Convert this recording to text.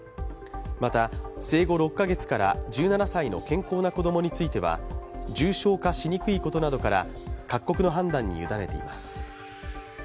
また、生後６か月から１７歳の健康な子供については重症化しにくいことなどから各国の判断に委ねています。